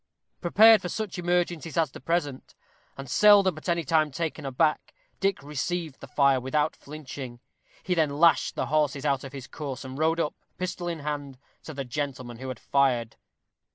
Prepared for such emergencies as the present, and seldom at any time taken aback, Dick received the fire without flinching. He then lashed the horses out of his course, and rode up, pistol in hand, to the gentleman who had fired.